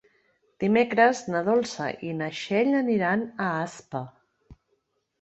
Dimecres na Dolça i na Txell aniran a Aspa.